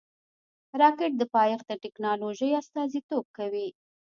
راکټ د پایښت د ټېکنالوژۍ استازیتوب کوي